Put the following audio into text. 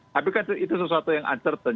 tapi kan itu sesuatu yang uncertain